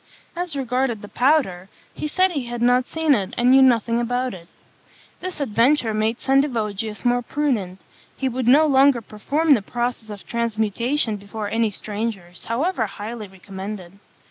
As regarded the powder, he said he had not seen it, and knew nothing about it. This adventure made Sendivogius more prudent; he would no longer perform the process of transmutation before any strangers, however highly recommended.